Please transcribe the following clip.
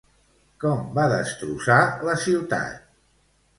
Com va destrossar la ciutat?